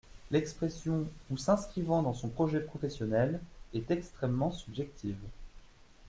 L’expression « ou s’inscrivant dans son projet professionnel » est extrêmement subjective.